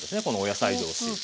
このお野菜同士。